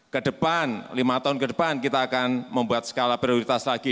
kedepan lima tahun ke depan kita akan membuat skala prioritas lagi